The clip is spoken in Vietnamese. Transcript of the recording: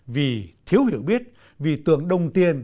vì thiếu hiểu biết vì tưởng đồng tiền